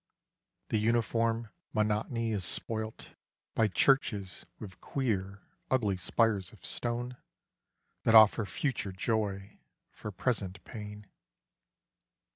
The uniform monotony is spoilt By churches with queer ugly spires of stone That offer future joy for present pain.